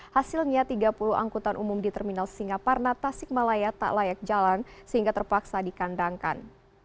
hasilnya tiga puluh angkutan umum di terminal singaparna tasikmalaya tak layak jalan sehingga terpaksa dikandangkan